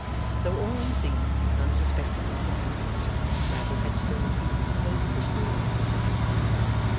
Though all unseen, and unsuspected by the pupils, Bradley Headstone even pervaded the school exercises.